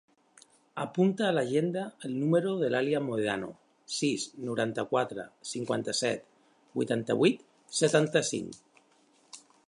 Apunta a l'agenda el número de l'Alia Mohedano: sis, noranta-quatre, cinquanta-set, vuitanta-vuit, setanta-cinc.